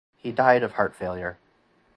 He died of heart failure.